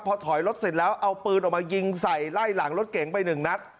พอถอยรถเสร็จแล้วเอาปืนออกมายิงใส่ไล่หลังรถเก๋งไปหนึ่งนัด